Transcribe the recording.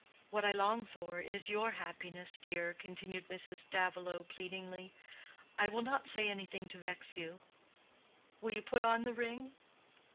"What I long for is your happiness, dear," continued Mrs. Davilow, pleadingly. "I will not say anything to vex you. Will you not put on the ring?"